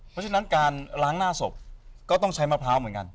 เพราะฉะนั้นการล้างหน้าศพก็ต้องใช้มะพร้าวเหมือนกัน